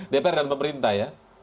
dpr dan pemerintah ya